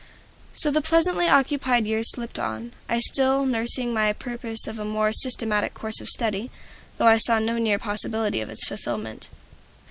So the pleasantly occupied years slipped on, I still nursing my purpose of a more systematic course of study, though I saw no near possibility of its fulfillment.